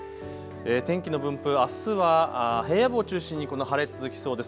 天気の分布、あすは平野部を中心にこの晴れ続きそうです。